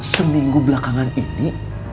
seninggu belakangan ini